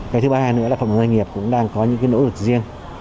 cái thứ ba nữa là phòng doanh nghiệp cũng đang có những cái nỗ lực riêng